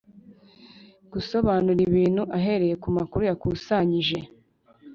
gusobanura ibintu ahereye ku makuru yakusanyije.